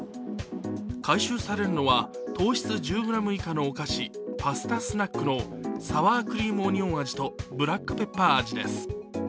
回収されるのは糖質１０ｇ以下のお菓子パスタスナックのサワークリームオニオン味とブラックペッパー味です。